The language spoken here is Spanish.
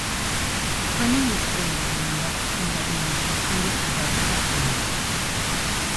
Fue ministro de vivienda en la administración de Salvador Allende.